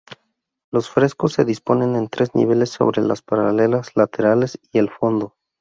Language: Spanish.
Los frescos se disponen en tres niveles sobre las paredes laterales y el fondo.